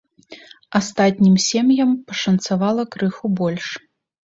Астатнім сем'ям пашанцавала крыху больш.